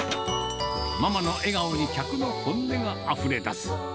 ママの笑顔に客の本音があふれ出す。